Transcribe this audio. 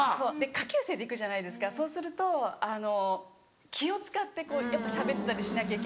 下級生で行くじゃないですかそうするとあの気を使ってしゃべったりしなきゃいけないし。